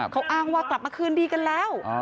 เขาอ้างว่ากลับมาคืนดีกันแล้ว